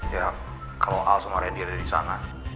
ya kalau al sama reddy ada disana